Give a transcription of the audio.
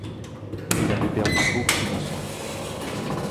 Il avait perdu beaucoup de sang.